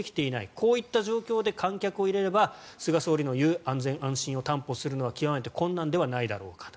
こういった状況で観客を入れれば菅総理の言う安全安心を担保するのは極めて困難ではないかと。